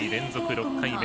６回目。